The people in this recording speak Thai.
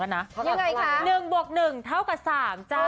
ยังไงคะ๑บวก๑เท่ากับ๓จ้า